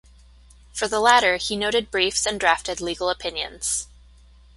For the latter he noted briefs and drafted legal opinions.